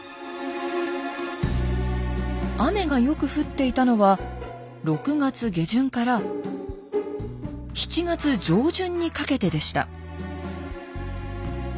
雨がよく降っていたのは６月下旬から７月上旬にかけてでした。